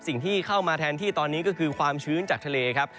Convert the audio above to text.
สิ่งที่เข้ามาแทนที่ตอนนี้ก็คือความชื้นจากทะเลครับ